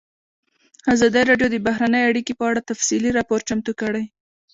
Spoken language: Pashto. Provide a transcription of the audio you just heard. ازادي راډیو د بهرنۍ اړیکې په اړه تفصیلي راپور چمتو کړی.